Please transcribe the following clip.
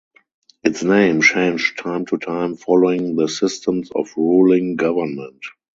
Its name changed time to time following the systems of ruling government.